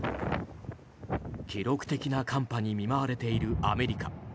記録的な寒波に見舞われているアメリカ。